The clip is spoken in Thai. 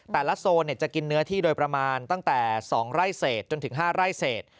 โซนจะกินเนื้อที่โดยประมาณตั้งแต่๒ไร่เศษจนถึง๕ไร่เศษ